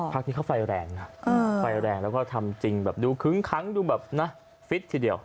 พักนี้เขาไฟแรงนะไฟแรงแล้วก็ทำจริงแบบดูคึ้งคั้งดูแบบนะฟิตทีเดียว